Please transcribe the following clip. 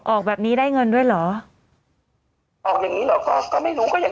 ออกแบบนี้ไม่ได้เงิน